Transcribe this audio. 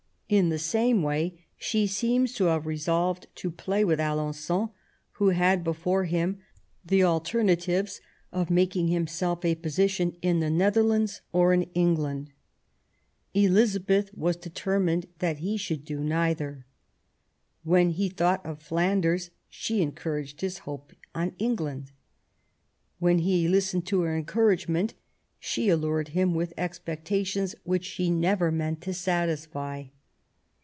In the same way she seems to have re solved to play with Alen9on, who had before him THE ALENQON MARRIAGE. 167 the alternatives of making himself a position in the Netherlands or in England. Elizabeth was deter mined that he should do neither. When he thought of Flanders she encouraged his hopes on England ; when he listened to her encouragement she allured him with expectations which she never meant to satisfy.